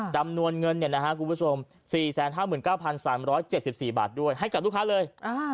จำนวนเงิน๔๕๙๓๗๔บาทให้กับลูกค้าเลย